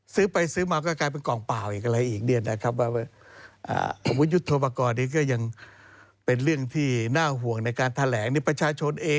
ซื้อไปซื้อมาก็กลายเป็นกล่องเปล่า